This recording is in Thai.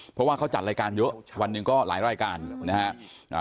เพราะว่าเขาจัดรายการเยอะวันหนึ่งก็หลายรายการนะฮะ